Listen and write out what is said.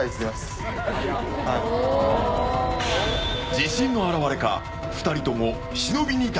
自信の表れか、２人とも忍２体。